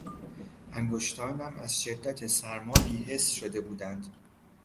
انگشتانم از شدت سرما بیحس شده بودند.